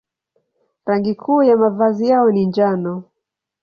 Rangi kuu ya mavazi yao ni njano.